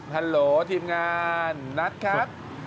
ฮัลโหลทีมงานนัทครับ